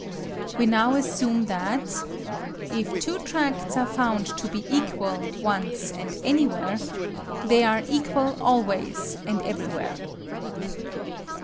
We now assume that: If two tracts are found to be equal once and anywhere, they are equal always and everywhere.